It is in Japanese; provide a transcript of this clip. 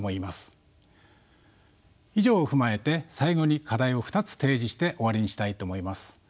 以上を踏まえて最後に課題を２つ提示して終わりにしたいと思います。